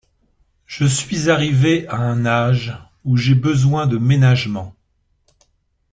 Je suis arrivée à un âge où j’ai besoin de ménagements.